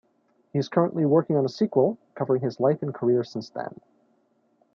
He is currently working on a sequel, covering his life and career since then.